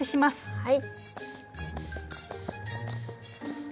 はい。